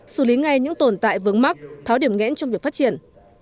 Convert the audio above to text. xử lý ngay những tồn tại vướng mắc tháo điểm ngẽn trong việc phát triển